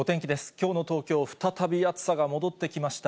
きょうの東京、再び暑さが戻ってきました。